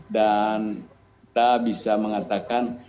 dan kita bisa mengatakan